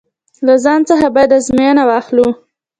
له ځان څخه باید ازموینه واخلو.